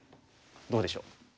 どうでしょう？